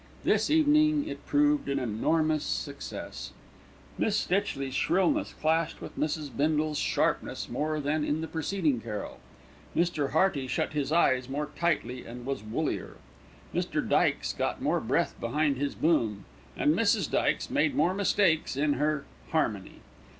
This evening it proved an enormous success. Miss Stitchley's shrillness clashed with Mrs. Bindle's sharpness more than in the preceding carol. Mr. Hearty shut his eyes more tightly and was woollier, Mr. Dykes got more breath behind his boom, and Mrs. Dykes made more mistakes in her "harmony."